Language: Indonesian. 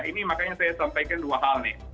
ini makanya saya sampaikan dua hal nih